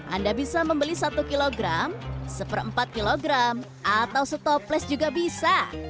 anda bisa membeli satu kg satu empat kg atau setoples juga bisa